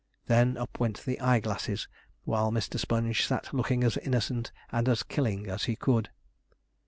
Then up went the eye glasses, while Mr. Sponge sat looking as innocent and as killing as he could.